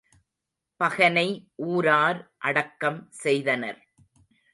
பகனை ஊரார் அடக்கம் செய்தனர்.